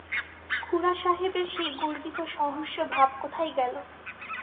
খুড়াসাহেবের সেই গর্বিত সহর্ষ ভাব কোথায় গেল!